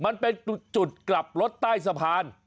มันเป็นจุดกลับรถใต้สะพาน